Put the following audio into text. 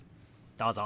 どうぞ。